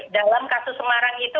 dalam kasus semarang itu